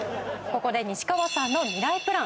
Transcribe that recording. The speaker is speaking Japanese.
ここで西川さんのミライプラン